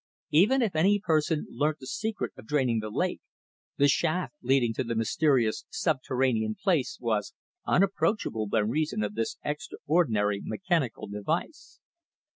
Even if any person learnt the secret of draining the lake, the shaft leading to the mysterious subterranean place was unapproachable by reason of this extraordinary mechanical device.